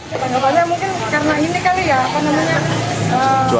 tidak banyak mungkin karena ini kali ya apa namanya ombak ini ya soalnya di berita seperti itu